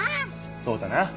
そうだな！